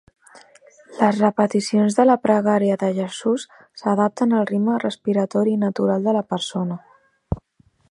Les repeticions de la pregària de Jesús s'adapten al ritme respiratori natural de la persona.